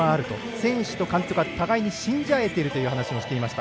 選手と監督は互いに信じあえているという話をしていました。